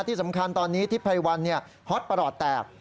ที่สำคัญตอนนี้ทิศภัยวันเนี่ยฮอตประหลอดแตก